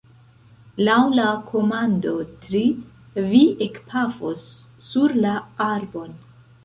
Laŭ la komando « tri » vi ekpafos sur la arbon.